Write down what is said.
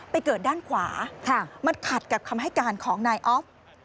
เกิดด้านขวามันขัดกับคำให้การของนายออฟ